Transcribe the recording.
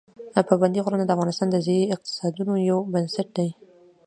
پابندي غرونه د افغانستان د ځایي اقتصادونو یو بنسټ دی.